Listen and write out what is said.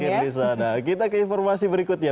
parkir di sana kita ke informasi berikutnya